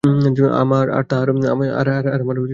আর আমার দরকার নেই।